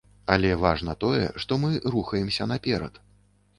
Але важна тое, што мы рухаемся наперад.